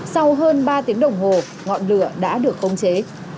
sau hơn ba tiếng đồng hồ ngọn lửa đã được khống chế